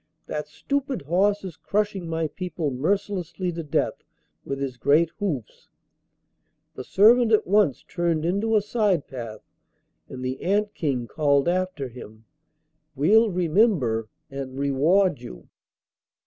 That stupid horse is crushing my people mercilessly to death with his great hoofs.' The servant at once turned into a side path, and the Ant King called after him, 'We'll remember and reward you.